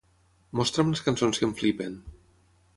Mostra'm les cançons que em flipen.